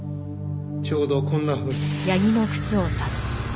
ちょうどこんなふうに。